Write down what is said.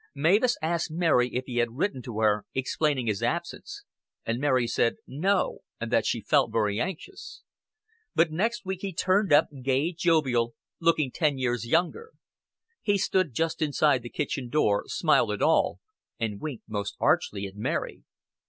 Mavis asked Mary if he had written to her explaining his absence; and Mary said no, and that she felt very anxious. But next week he turned up, gay, jovial, looking ten years younger. He stood just inside the kitchen door, smiled at all, and winked most archly at Mary.